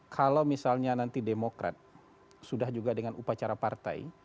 kalau misalnya nanti demokrat sudah juga dengan upacara partai